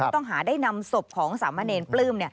ต้องหาได้นำศพของสามะเนรปลื้ม